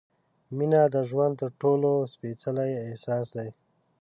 مینه د ژوند تر ټولو سپېڅلی احساس دی.